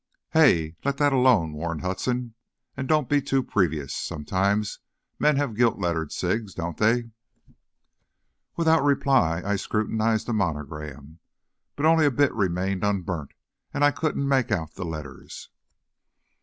"Hey, let that alone!" warned Hudson. "And don't be too previous; sometimes men have gilt lettered cigs, don't they?" Without reply, I scrutinized the monogram. But only a bit remained unburnt, and I couldn't make out the letters.